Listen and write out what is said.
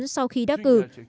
sau khi đắc cử